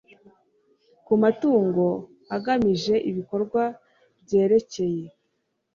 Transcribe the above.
ku mutungo agamije ibikorwa byerekeye